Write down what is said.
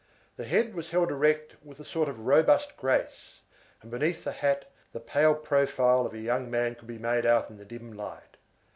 The head was held erect with a sort of robust grace, and beneath the hat the pale profile of a young man could be made out in the dim light.